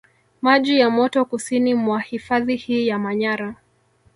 Maji ya moto kusini mwa hifadhi hii ya Manyara